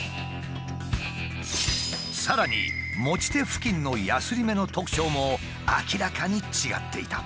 さらに持ち手付近のやすり目の特徴も明らかに違っていた。